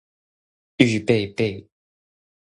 預備備